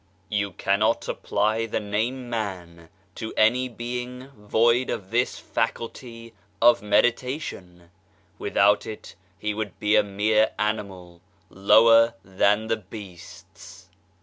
You cannot apply the name " man " to any being void of this faculty of meditation ; without it he would be a mere animal, lower than the beasts.